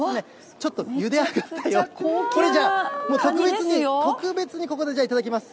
ちょっとゆで上がった、これ、じゃあ特別にここでじゃあ、いただきます。